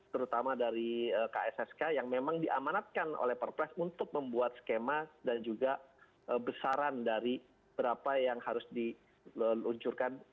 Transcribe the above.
terutama dari kssk yang memang diamanatkan oleh perpres untuk membuat skema dan juga besaran dari berapa yang harus diluncurkan